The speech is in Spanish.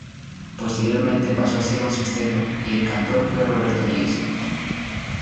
Posteriormente pasó a ser un sexteto y el cantor fue Roberto Díaz.